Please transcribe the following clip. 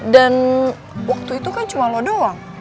dan waktu itu kan cuma lo doang